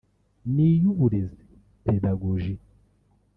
n’iy’uburezi (Pédagogie)